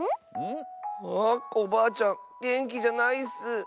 あコバアちゃんげんきじゃないッス。